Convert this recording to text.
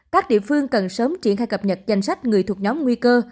các địa phương cần sớm triển khai cập nhật danh sách người thuộc nhóm nguy cơ